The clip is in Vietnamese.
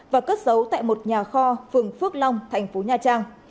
và cất giấu tại một nhà kho phường phước long tp nha trang